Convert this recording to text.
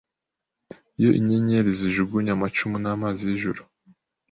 Iyo inyenyeri zijugunye amacumu namazi yijuru